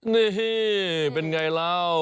นี่เธอเป็นยังไงแล้ว